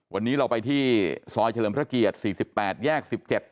วันนี้เราไปที่ซอยเฉลิมพระเกียรติ๔๘แยก๑๗